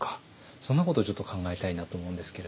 そんなことをちょっと考えたいなと思うんですけれども。